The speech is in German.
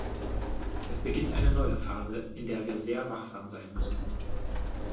Es beginnt eine neue Phase, in der wir sehr wachsam sein müssen.